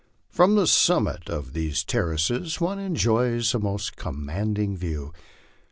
From the summit of these terraces one enjoys a most commanding view.